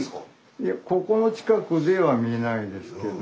いやここの近くではみないですけど。